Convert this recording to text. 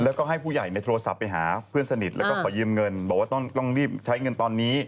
แล้วให้ผู้ใหญ่ชื่อโทรศัพท์ไปหาเพื่อนสนิทขอเงินแล้วก็ให้เขาต้องรีบใช้เงินตอนนี้